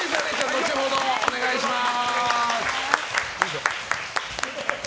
後ほどお願いします。